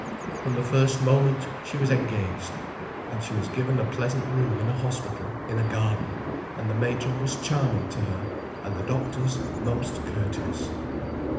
From the first moment she was engaged. And she was given a pleasant room in a hospital in a garden, and the matron was charming to her, and the doctors most courteous.